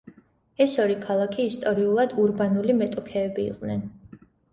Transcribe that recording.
ეს ორი ქალაქი ისტორიულად ურბანული მეტოქეები იყვნენ.